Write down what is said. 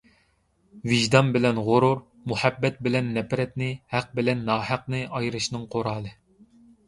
ۋىجدان بىلەن غۇرۇر، مۇھەببەت بىلەن نەپرەتنى، ھەق بىلەن ناھەقنى ئايرىشنىڭ قورالى.